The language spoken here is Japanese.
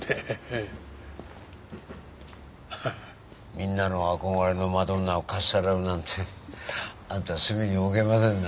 みんなの憧れのマドンナをかっさらうなんてあなた隅に置けませんな。